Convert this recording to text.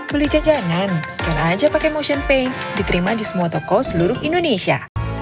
beli jajanan scan aja pake motionpay diterima di semua toko seluruh indonesia